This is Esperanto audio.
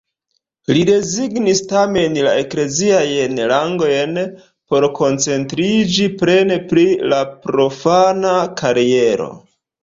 Li rezignis tamen la ekleziajn rangojn, por koncentriĝi plene pri profana kariero.